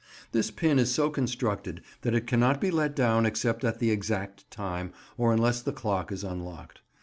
This pin is so constructed that it cannot be let down except at the exact time, or unless the clock is unlocked.